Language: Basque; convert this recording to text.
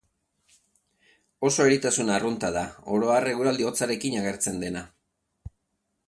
Oso eritasun arrunta da, oro har eguraldi hotzarekin agertzen dena.